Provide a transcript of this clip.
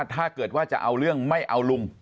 ถ้าเกิดว่าจะเอาเรื่องไม่เอาลุง